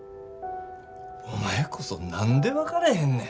お前こそ何で分かれへんね。